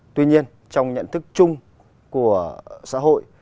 tuy nhiên trong nhận thức chung của xã hội